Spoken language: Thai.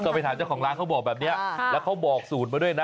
ก็ไปถามเจ้าของร้านเขาบอกแบบนี้แล้วเขาบอกสูตรมาด้วยนะ